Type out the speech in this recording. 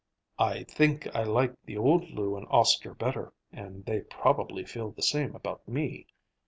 "I think I liked the old Lou and Oscar better, and they probably feel the same about me.